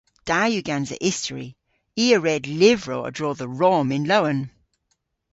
Da yw gansa istori. I a red lyvrow a-dro dhe Rom yn lowen.